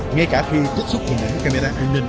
ngay cả khi trích xuất hình ảnh camera an ninh